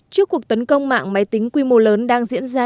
trước cuộc tấn công mạng máy tính quy mô lớn đang diễn ra